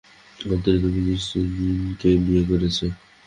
ওত্তেরি, তুমি ক্রিস্টিনকে বিয়ে করেছ?